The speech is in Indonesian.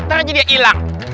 nanti aja dia hilang